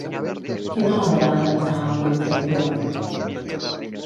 Quina obra va adaptar a un altre idioma?